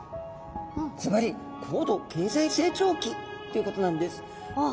ずばり高度経済成長期ということなんです。